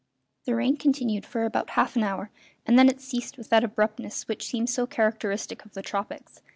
The rain continued for about half an hour, and then it ceased with that abruptness which seems so characteristic of the tropics.